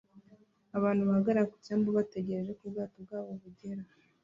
Abantu bahagarara ku cyambu bategereje ko ubwato bwabo bugera